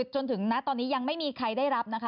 จนถึงณตอนนี้ยังไม่มีใครได้รับนะคะ